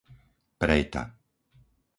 Prejta